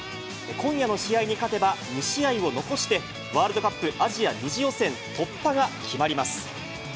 今夜の試合に勝てば、２試合を残して、ワールドカップアジア２次予選突破が決まります。